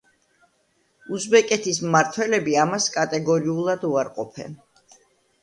უზბეკეთის მმართველები ამას კატეგორიულად უარყოფენ.